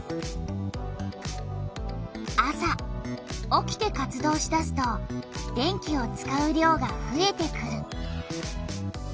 朝起きて活動しだすと電気を使う量がふえてくる。